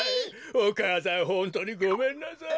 お母さんほんとうにごめんなさい。